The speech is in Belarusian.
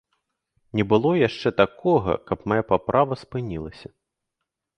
Не было яшчэ такога, каб мая паправа спынілася.